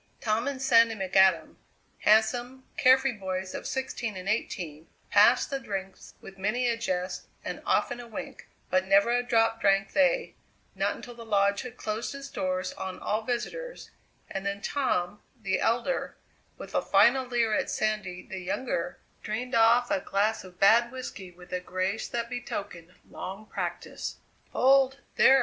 Tom and Sandy McAdam, handsome, carefree boys of sixteen and eighteen, passed the drinks with many a jest and often a wink, but never a drop drank they, not until the Lodge had closed its doors on all visitors, and then Tom, the elder, with a final leer at Sandy the younger, drained off a glass of bad whisky with a grace that betokened long practice. "Hold, there!"